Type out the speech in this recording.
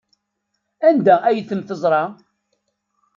Anda ay ten-teẓra?